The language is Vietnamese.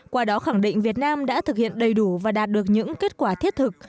qua đó khẳng định việt nam đã thực hiện đầy đủ và đạt được những kết quả thiết thực